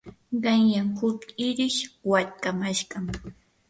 qanyan huk irish watkamashqam.